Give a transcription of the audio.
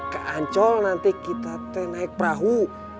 ke ancol nanti kita teh naik perahu